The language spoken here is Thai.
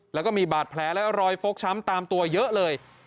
แล้วก็มีบาดแผลและรอยฟกช้ำตามตัวเยอะเลย